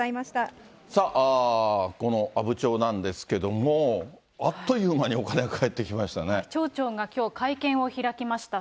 さあ、この阿武町なんですけど、あっという間にお金が返って町長がきょう会見を開きました。